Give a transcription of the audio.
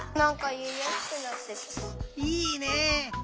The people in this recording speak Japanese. いいね！